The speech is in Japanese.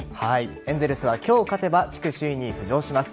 エンゼルスは今日勝てば地区首位に浮上します。